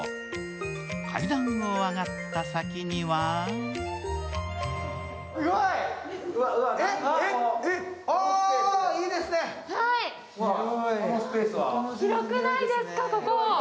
階段を上がった先には広くないですか、ここ。